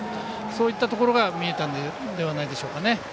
そういったところが見えたのではないでしょうか。